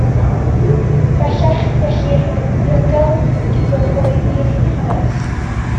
Bellach, gellir yn ddiogel gyhoeddi'r hanes.